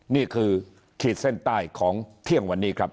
ขีดเส้นใต้ของเที่ยงวันนี้ครับ